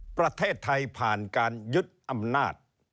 ประเทศไทยผ่านการยึดอำนาจ